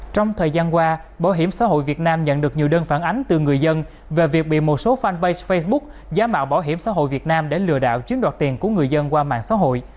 trong thời gian qua bảo hiểm xã hội việt nam nhận được nhiều đơn phản ánh từ người dân về việc bị một số fanpage facebook giá mạo bảo hiểm xã hội việt nam để lừa đảo chiếm đoạt tiền của người dân qua mạng xã hội